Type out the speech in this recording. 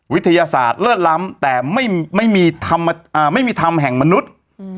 วิทยาศาสตร์เลิศล้ำแต่ไม่มีธรรมแห่งมนุษย์